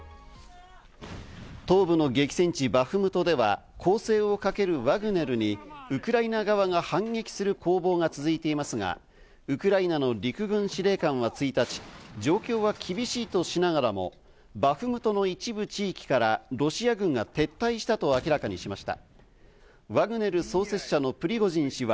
東部の激戦地、バフムトでは攻勢をかけるワグネルにウクライナ側が反撃する攻防が続いていますが、ウクライナの陸軍司令官は１日、状況は厳しいとしながらも、バフムトの一部地域からロシア軍が撤退したと明らかにしました。